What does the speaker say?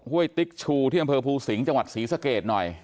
้วยติ๊กชูที่อำเภอภูสิงห์จังหวัดศรีสะเกดหน่อย